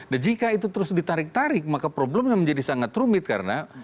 nah jika itu terus ditarik tarik maka problemnya menjadi sangat rumit karena